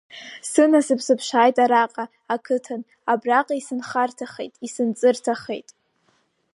Сынасыԥ сыԥшааит араҟа, ақыҭан, абраҟа исынхарҭахеит, исынҵырҭахеит.